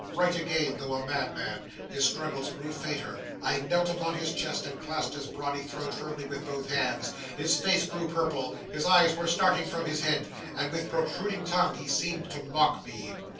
Right again, though a madman! His struggles grew fainter. I knelt upon his chest, and clasped his brawny throat firmly with both hands. His face grew purple; his eyes were starting from his head, and with protruded tongue, he seemed to mock me.